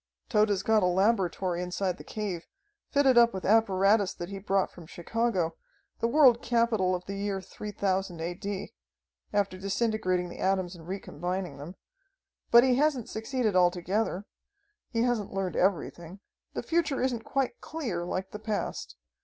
"Tode's got a laboratory inside the cave, fitted up with apparatus that he brought from Chicago, the world capital of the year 3000 A. D., after disintegrating the atoms and recombining them. But he hasn't succeeded altogether. He hasn't learned everything. The future isn't quite clear, like the past.